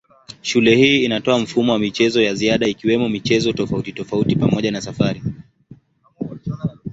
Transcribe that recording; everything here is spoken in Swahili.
Shule hii inatoa mfumo wa michezo ya ziada ikiwemo michezo tofautitofauti pamoja na safari.